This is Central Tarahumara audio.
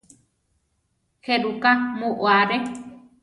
¿Jéruka mu aré?